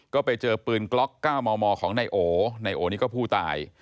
ก็ไปเจอกล็อกเก้ามอมอร์ของไนโอนายโอนี่ก็ผู้ตาย